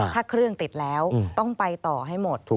ถ้าเครื่องติดแล้วต้องไปต่อให้หมด